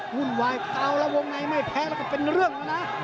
วุ่นวายเก่าแล้ววงในไม่แพ้แล้วก็เป็นเรื่องแล้วนะ